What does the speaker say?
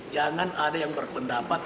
jangan ada yang berpendapat